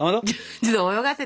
ちょっと泳がせてんの。